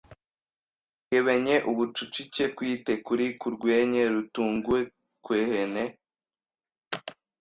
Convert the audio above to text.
kugebenye ubucucike, kwite kuri kurwenye rutugwukwehene